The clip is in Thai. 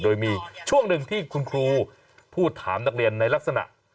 โดยมีช่วงหนึ่งที่คุณครูพูดถามนักเรียนในลักษณะ